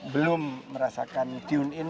belum merasakan tune in